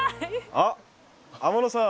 あっ天野さん。